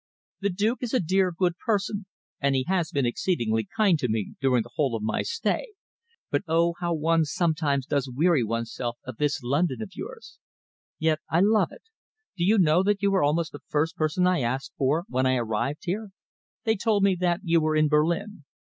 The Duke is a dear good person, and he has been exceedingly kind to me during the whole of my stay, but oh, how one sometimes does weary oneself of this London of yours! Yet I love it. Do you know that you were almost the first person I asked for when I arrived here? They told me that you were in Berlin."